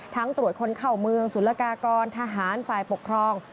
ทั้งตรวจคนเข่าเมืองศูนยากากรทหารฝ่ายปกครอง